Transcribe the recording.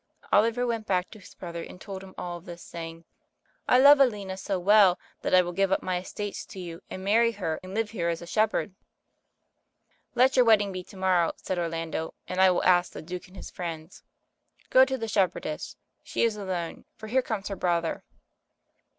Oliver went back to his brother and told him all this, saying, "I love Aliena so well, that I will give up my estates to you and marry her, and live here as a shepherd." "Let your wedding be to morrow," said Orlando, "and I will ask the Duke and his friends. Go to the shepherdess — she is alone, for here comes her brother."